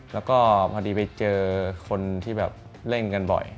แล้วก็พอดีไปเจอคนที่แบบเล่นกันบ่อย